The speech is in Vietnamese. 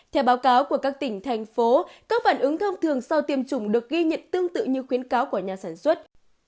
theo báo cáo của các tỉnh thành phố các phản ứng thông thường sau tiêm chủng được ghi nhận tương tự như khuyến cáo của nhà sản xuất